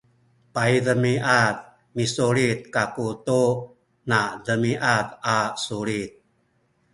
paydemiad misulit kaku tu nademiad a sulit